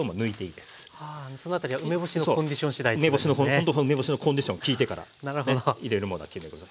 ほんと梅干しのコンディション聞いてからね入れるものは決めて下さい。